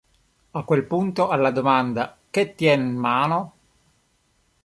A quel punto, alla domanda "che tie' 'n mano?